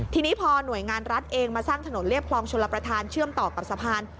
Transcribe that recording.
ทีนี้พอหน่วยงานรัฐเองมาสร้างถนนเรียบคลองชลประธานเชื่อมต่อกับสะพาน